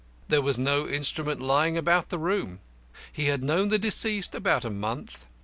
There was no instrument lying about the room. He had known the deceased about a month.